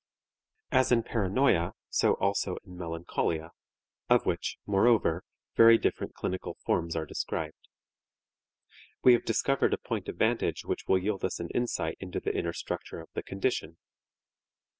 As in paranoia, so also in melancholia, of which, moreover, very different clinical forms are described. We have discovered a point of vantage which will yield us an insight into the inner structure of the condition.